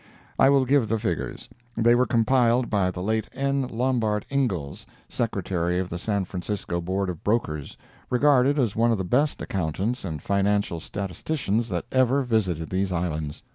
I will give the figures. They were compiled by the late N. Lombard Ingals, Secretary of the San Francisco Board of Brokers, regarded as one of the best accountants and financial statisticians that ever visited these islands.